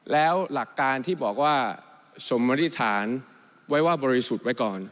แล้วหลักการที่บอกว่าสมมติฐานไว้ว่าบริสุทธิ์ไว้ก่อน